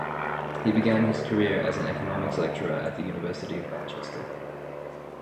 He began his career as an economics lecturer at the University of Manchester.